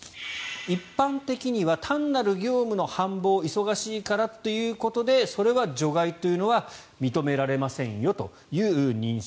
一般的には単なる業務の繁忙忙しいからっていうことでそれは除外というのは認められませんよという認識。